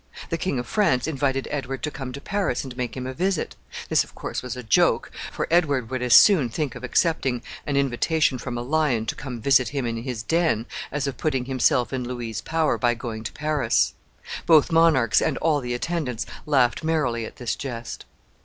The King of France invited Edward to come to Paris and make him a visit. This, of course, was a joke, for Edward would as soon think of accepting an invitation from a lion to come and visit him in his den, as of putting himself in Louis's power by going to Paris. Both monarchs and all the attendants laughed merrily at this jest.